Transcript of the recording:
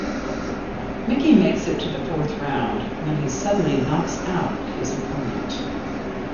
Mickey makes it to the fourth round, when he suddenly knocks out his opponent.